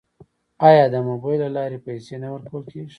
آیا د موبایل له لارې پیسې نه ورکول کیږي؟